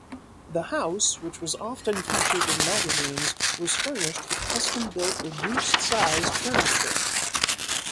The house, which was often featured in magazines, was furnished with custom-built reduced-size furniture.